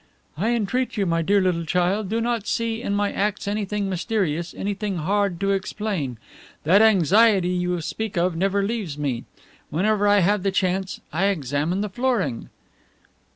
"I entreat you, my dear little child, do not see in my acts anything mysterious, anything hard to explain. That anxiety you speak of never leaves me. Whenever I have the chance I examine the flooring."